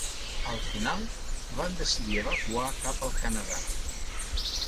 Al final van decidir evacuar cap al Canadà.